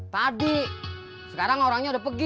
tadi sekarang orangnya udah pergi